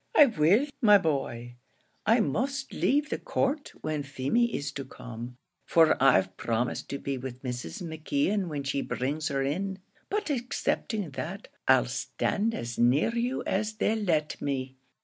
"I will, my boy. I must leave the court when Feemy is to come, for I've promised to be with Mrs. McKeon when she brings her in; but excepting that, I'll stand as near you as they'll let me."